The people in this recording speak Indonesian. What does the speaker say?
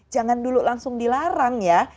jangan dulu langsung dilarang ya